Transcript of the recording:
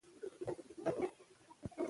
څه به کوم.شکيبا کريم ته ډاډ ورکو .